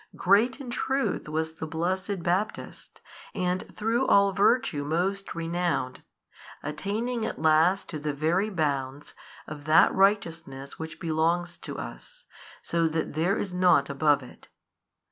Great in truth was the blessed Baptist and through all virtue most renowned, attaining at last to the very bounds of that righteousness which belongs to us, so that there is nought above it.